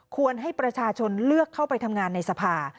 ให้ประชาชนเลือกเข้าไปทำงานในสภา